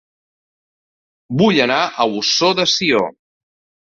Vull anar a Ossó de Sió